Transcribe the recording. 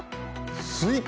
スイカ